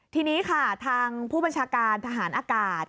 ทีนี้ค่ะทางผู้บัญชาการทหารอากาศ